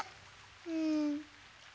うん。